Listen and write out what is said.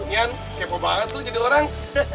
ya kepo banget lo jadi orang